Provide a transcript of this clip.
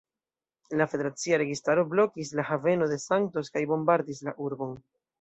La federacia registaro blokis la haveno de Santos kaj bombardis la urbon.